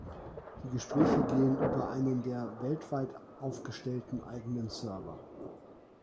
Die Gespräche gehen über einen der weltweit aufgestellten eigenen Server.